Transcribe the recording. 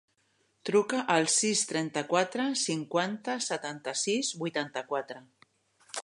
Truca al sis, trenta-quatre, cinquanta, setanta-sis, vuitanta-quatre.